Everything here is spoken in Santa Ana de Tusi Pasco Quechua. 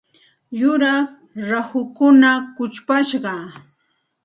Yuraq rahukuna kuchupashqa.